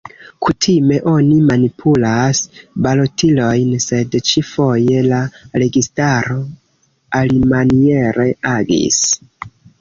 Kutime oni manipulas balotilojn sed ĉi-foje la registaro alimaniere agis.